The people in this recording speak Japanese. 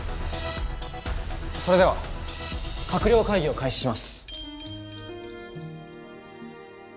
それでは閣僚会議を開始します。